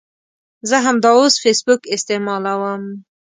زه همداوس فیسبوک استعمالوم